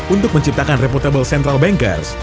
untuk menciptakan repotable central bankers